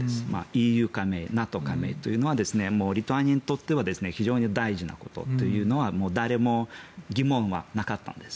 ＥＵ加盟ＮＡＴＯ加盟というのはリトアニアにとっては非常に大事なことというのは誰も疑問はなかったんです。